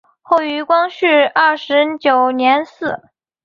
后于光绪二十九年祠。